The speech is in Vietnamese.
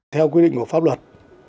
theo quy định của pháp luật